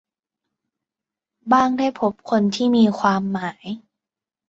บ้างได้พบคนที่มีความหมาย